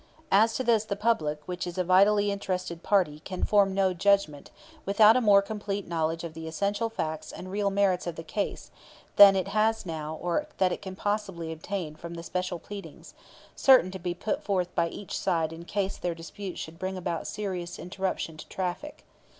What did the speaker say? As to this the public, which is a vitally interested party, can form no judgment without a more complete knowledge of the essential facts and real merits of the case than it now has or than it can possibly obtain from the special pleadings, certain to be put forth by each side in case their dispute should bring about serious interruption to traffic.